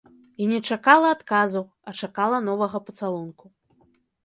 І не чакала адказу, а чакала новага пацалунку.